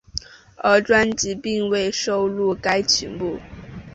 而专辑并未收录该曲目。